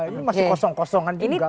ini masih kosong kosongan